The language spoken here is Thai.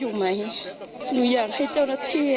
แต่เราไม่รู้ว่าลูกเรารอดมั้ยหรอ